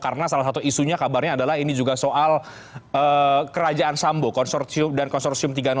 karena salah satu isunya kabarnya adalah ini juga soal kerajaan sambo dan konsorsium tiga ratus tiga